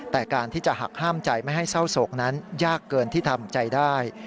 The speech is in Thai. แต่การที่จะหักห้ามใจไม่ให้เศร้าโศกนั้นยากเกินที่ทำใจได้